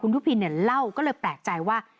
คุณหยุปินเล่าก็เลยแปลกใจว่า